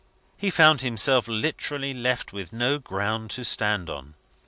He found himself literally left with no ground to stand on.